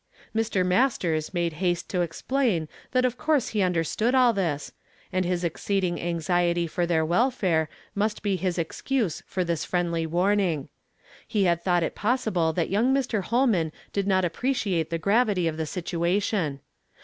292 YESTERDAY FRAMED IN TO DAY. Mr. Mastei s made haste to explain that of coui se he understood all this, and his exceeding anxiety for their welfare must be his excuse for this friendly warning. He had thought it pos sible that young Mr. Holnuin did not appreciate tlie gravity of the situation.